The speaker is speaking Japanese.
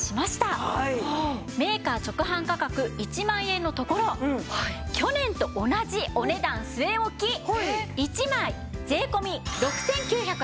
メーカー直販価格１万円のところ去年と同じお値段据え置き１枚税込６９８０円です！